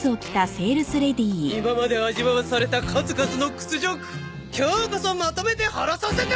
今まで味わわされた数々の屈辱今日こそまとめて晴らさせてもらうわ！